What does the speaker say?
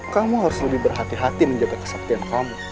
kamu harus lebih berhati hati menjaga kesaktian kamu